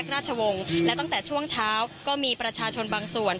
เรามีครับ